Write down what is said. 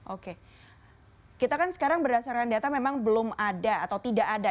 oke kita kan sekarang berdasarkan data memang belum ada atau tidak ada